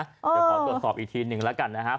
เดี๋ยวขอตรวจสอบอีกทีหนึ่งแล้วกันนะครับ